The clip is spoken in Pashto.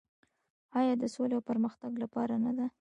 آیا د سولې او پرمختګ لپاره نه ده؟